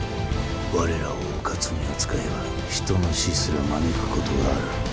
我らをうかつに扱えば人の死すら招くことがある。